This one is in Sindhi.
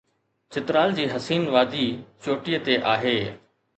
چترال جي حسين وادي چوٽيءَ تي آهي.